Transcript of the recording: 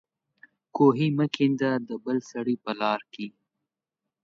کوهي مه کېنده د بل سړي په لار کې